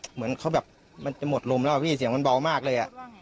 เหมือนเขาแบบมันจะหมดลมแล้วอะพี่เสียงมันเบามากเลย